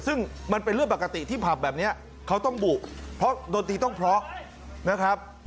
ซึ่งมันเป็นเรื่องปกติที่ผับแบบนี้เขาต้องบุเพราะโดนตีต้องเพราะนะครับ